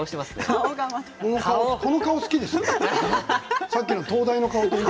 この顔好きですね。